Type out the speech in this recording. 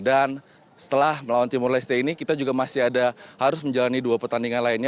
dan setelah melawan timor leste ini kita juga masih ada harus menjalani dua pertandingan lainnya